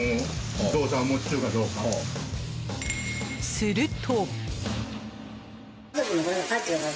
すると。